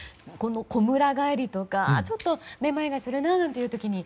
こむら返りとかちょっとめまいがするななんていう時に